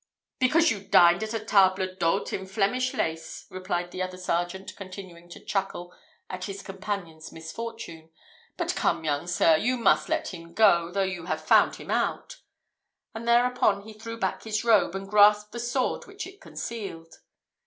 "Because you dined at a table d'hote in Flemish lace," replied the other sergeant, continuing to chuckle at his companion's misfortune. "But come, young sir, you must let him go, though you have found him out." And thereupon he threw back his robe, and grasped the sword which it concealed.